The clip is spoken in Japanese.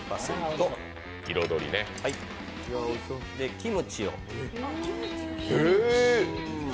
キムチを。